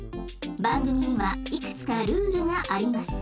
番組にはいくつかルールがあります。